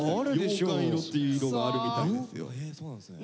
羊羹色っていう色があるみたいですよ。